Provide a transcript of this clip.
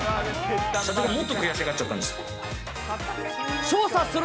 社長がもっと悔しがっちゃったんですよ。